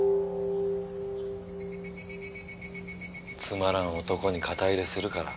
つまらん男に肩入れするから。